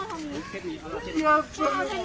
ตายอีกแล้ว